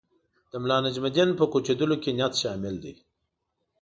د ملانجم الدین په کوچېدلو کې نیت شامل دی.